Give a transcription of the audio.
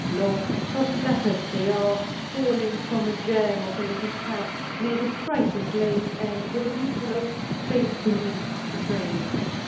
Long, soft lappets they are, falling from a gem of a little cap, made of priceless lace, and with a beautiful old face beneath to frame.